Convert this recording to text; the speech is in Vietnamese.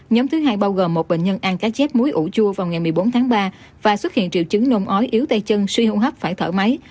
nhóm thứ hai bao gồm một bệnh nhân ăn cá chép muối ủ chua vào ngày một mươi bốn tháng ba và xuất hiện triệu chứng nôn ói yếu tay chân suy hô hấp phải thở máy